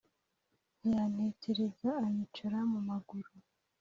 Ntiyantetereza anyicar mu maguru